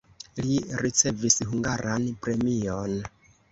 Li ricevis hungaran premion.